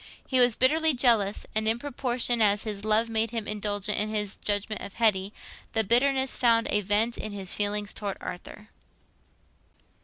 He was bitterly jealous, and in proportion as his love made him indulgent in his judgment of Hetty, the bitterness found a vent in his feeling towards Arthur.